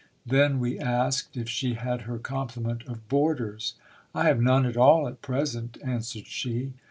Then we asked if she had her complement of boarders. I have none at all at present, answered she.